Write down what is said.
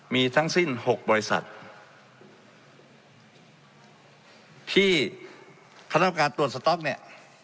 มีทั้งสิ้น๖บริษัทที่คณะกรรมการตรวจสต๊อกเนี่ย